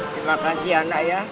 terima kasih anak ya